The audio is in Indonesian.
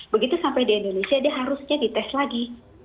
begitu sampai di indonesia dia harusnya dites lagi